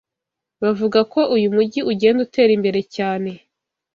bavuga ko uyu mugi ugenda utera imbere cyane